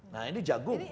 nah ini jagung